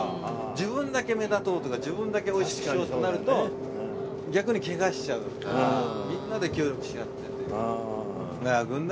自分だけ目立とうとか自分だけおいしくしようってなると逆にケガしちゃうからみんなで協力し合って。